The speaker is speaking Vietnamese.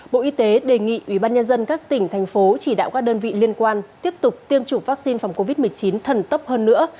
bộ y tế đề nghị ủy ban nhân dân các tỉnh thành phố chỉ đạo các đơn vị liên quan tiếp tục tiêm chủng vaccine phòng covid một mươi chín thần tốc hơn nữa